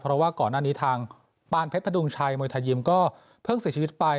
เพราะว่าก่อนหน้านี้ทางปานเพชรพดุงชัยมวยไทยยิมก็เพิ่งเสียชีวิตไป